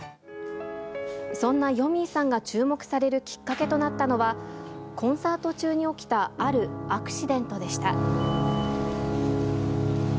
そんなよみぃさんが注目されるきっかけとなったのは、コンサート中に起きた、あるアクシデントでした。